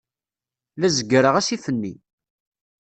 La zeggreɣ asif-nni.